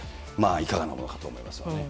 いかがなものかと思いますよね。